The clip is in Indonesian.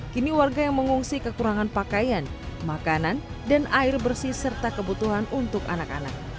kini warga yang mengungsi kekurangan pakaian makanan dan air bersih serta kebutuhan untuk anak anak